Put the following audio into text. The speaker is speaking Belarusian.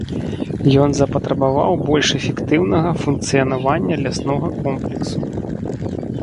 Ён запатрабаваў больш эфектыўнага функцыянавання ляснога комплексу.